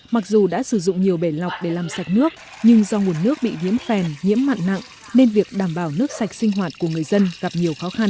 mặc dù đã sử dụng nhiều bể lọc để làm sạch nước nhưng do nguồn nước bị nhiễm phèn nhiễm mặn nặng nên việc đảm bảo nước sạch sinh hoạt của người dân gặp nhiều khó khăn